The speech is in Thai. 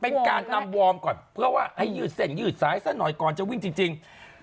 เป็นการนำวอร์มก่อนเพื่อว่าให้ยืดเส้นยืดสายซะหน่อยก่อนจะวิ่งจริง